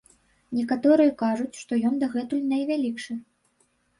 Некаторыя кажуць, што ён дагэтуль найвялікшы.